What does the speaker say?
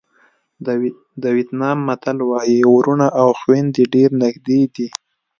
د وېتنام متل وایي وروڼه او خویندې ډېر نږدې دي.